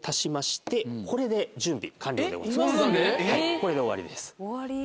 これで終わりです。